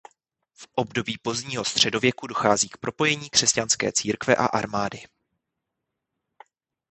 V období pozdního středověku dochází k propojení křesťanské církve a armády.